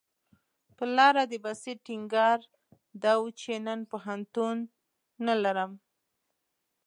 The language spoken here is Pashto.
پر لاره د بصیر ټینګار دا و چې نن پوهنتون نه لرم.